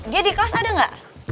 dia di kelas ada nggak